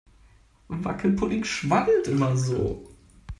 Wackelpudding schwabbelt immer so.